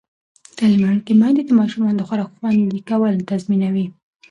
تعلیم لرونکې میندې د ماشومانو د خوراک خوندي کول تضمینوي.